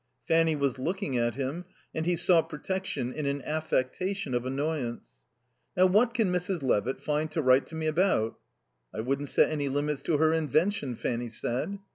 Fanny was looking at him, and he sought protection in an affectation of annoyance. "Now what can Mrs. Levitt find to write to me about?" "I wouldn't set any limits to her invention," Fanny said.